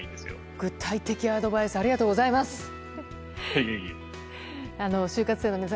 具体的アドバイスありがとうございます。